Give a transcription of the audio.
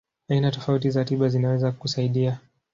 Aina tofauti za tiba zinaweza kusaidia.